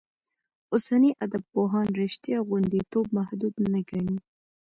اوسني ادبپوهان رشتیا غوندېتوب محدود نه ګڼي.